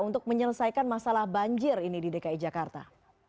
untuk menyelesaikan masalah banjir ini di dki jakarta